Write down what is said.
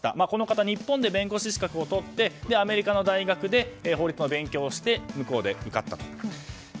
この方日本で弁護士資格を取ってアメリカの大学で法律の勉強をして向こうで受かったと。